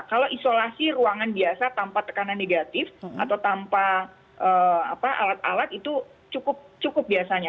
kalau isolasi ruangan biasa tanpa tekanan negatif atau tanpa alat alat itu cukup biasanya